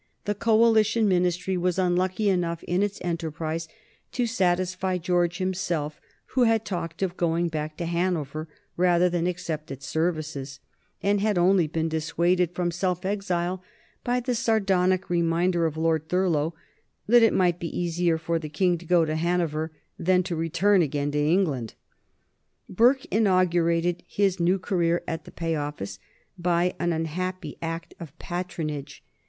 The Coalition Ministry was unlucky enough in its enterprises to satisfy George himself, who had talked of going back to Hanover rather than accept its services, and had only been dissuaded from self exile by the sardonic reminder of Lord Thurlow that it might be easier for the King to go to Hanover than to return again to England. Burke inaugurated his new career at the Pay Office by an unhappy act of patronage.